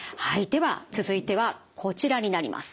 では続いてはこちらになります。